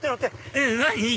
えっ何？